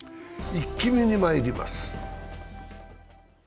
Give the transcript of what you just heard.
「イッキ見」にまいります。